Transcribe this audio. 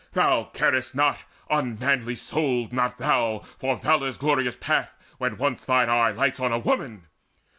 Thou carest not, unmanly souled, not thou, For valour's glorious path, when once thine eye Lights on a woman!